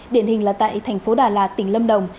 điển hình là tại thành phố đà lạt tỉnh lâm đồng